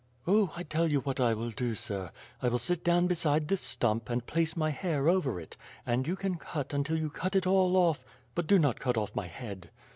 "0, I tell you what 1 will do, sir. 1 will sit down be side this stump, and place my hair over it; and you can cut until you cut it all off, but do not cut off my head."